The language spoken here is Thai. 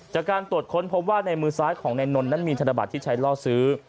จากการตรวจค้นพบว่าในมือซ้ายของนายนนท์นั้นมีธนบัตรที่ใช้ล่อซื้อ